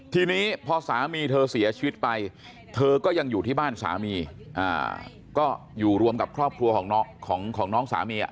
ทีนี้พอสามีเธอเสียชีวิตไปเธอก็ยังอยู่ที่บ้านสามีก็อยู่รวมกับครอบครัวของน้องของน้องสามี